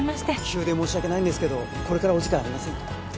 急で申し訳ないんですけどこれからお時間ありませんか？